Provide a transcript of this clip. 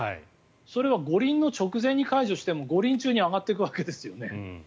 それは五輪の直前に解除しても五輪中に上がっていくわけですよね。